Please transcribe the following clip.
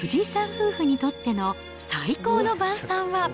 夫婦にとっての最高の晩さんは。